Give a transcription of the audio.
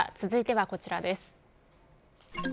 続いてはこちらです。